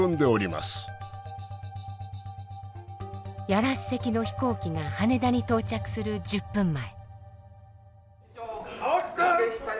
屋良主席の飛行機が羽田に到着する１０分前。